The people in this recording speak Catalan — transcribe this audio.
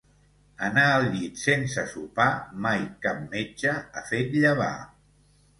Anar al llit sense sopar mai cap metge ha fet llevar.